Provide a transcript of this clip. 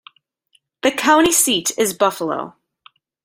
The county seat is Buffalo.